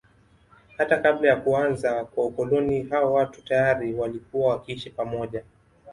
Hata kabla ya kuanza kwa ukoloni hawa watu tayari walikuwa wakiishi pamoja